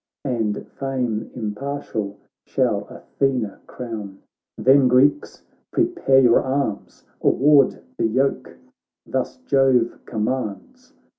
And fame impartial shall Athena crown. Then Greeks, prepare your arms ! award the yoke. Thus Jove commands.'